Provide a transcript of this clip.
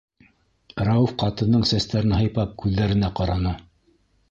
Рәүеф ҡатындың сәстәрен һыйпап күҙҙәренә ҡараны: